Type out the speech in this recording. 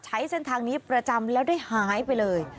ใช้เส้นทางนี้ประจำแล้วได้หายไปเลย